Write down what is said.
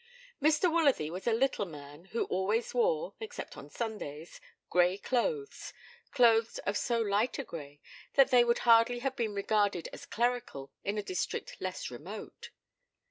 Mr. Woolsworthy was a little man, who always wore, except on Sundays, grey clothes clothes of so light a grey that they would hardly have been regarded as clerical in a district less remote.